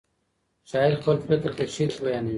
شاعر خپل فکر په شعر کې بیانوي.